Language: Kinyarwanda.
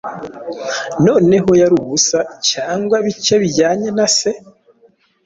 Noneho yari ubusa, cyangwa bike Kubijyanye na Se?